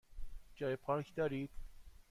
جای پارک دارید؟